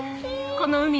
この海ね。